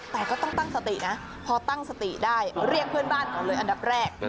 แต่ก็ต้องตั้งสตินะพอตั้งสติได้เรียกเพื่อนบ้านก่อนเลยอันดับแรก